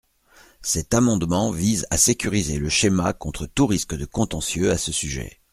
Cet amendement vise à sécuriser le schéma contre tout risque de contentieux à ce sujet.